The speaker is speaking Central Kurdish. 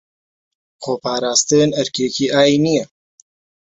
خۆپاراستن ئەرکێکی ئاینییە